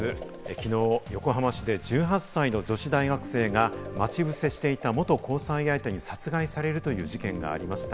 きのう、横浜市で１８歳の女子大学生が待ち伏せしていた元交際相手に殺害されるという事件がありました。